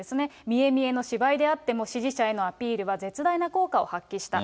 みえみえの芝居であっても、支持者へのアピールは絶大な効果を発揮した。